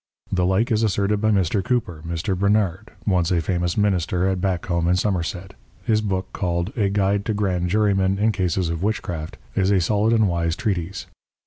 The like is asserted by Mr. Cooper, Mr. Bernard, (once a famous Minister at Batcomb in Somerset) his Book called A Guide to Grand Jury men in Cases of Witchcraft, is a solid and wise Treatise.